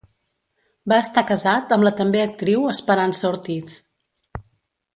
Va estar casat amb la també actriu Esperança Ortiz.